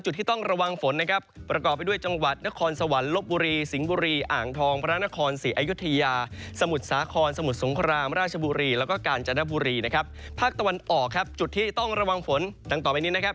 จุดที่ต้องระวังฝนต่างต่อไปนี้นะครับ